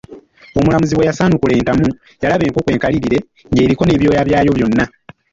Omulamuzi bwe yasanukula entamu, yalaba enkonko enkalirire ng'eriko ne byooya byayo byona!